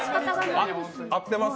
合ってます？